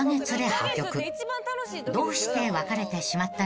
［どうして別れてしまったんでしょうか］